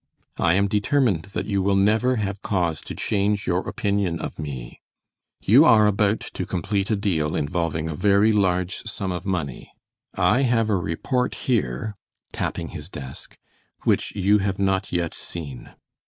I am determined that you will never have cause to change your opinion of me. You are about to complete a deal involving a very large sum of money. I have a report here," tapping his desk, "which you have not yet seen."